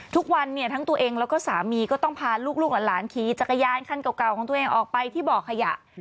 ทุกวันเนี่ยทั้งตัวเองแล้วก็สามีก็ต้องพาลูกหลานขี่จักรยานคันเก่าของตัวเองออกไปที่บ่อขยะ